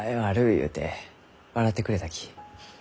ゆうて笑ってくれたき。